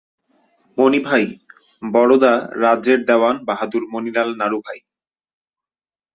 মণিভাই বরোদা রাজ্যের দেওয়ান বাহাদুর মণিলাল নাড়ুভাই।